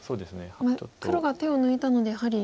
黒が手を抜いたのでやはり。